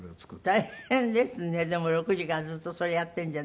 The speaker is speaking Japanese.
大変ですねでも６時からずっとそれやっているんじゃね。